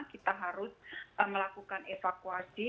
kita harus melakukan evakuasi